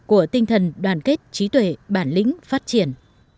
của tinh thần đoàn kết trí tuệ bản lĩnh phát triển